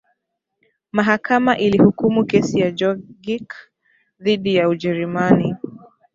mahakama ilihukumu kesi ya jorgic dhidi ya ujerumani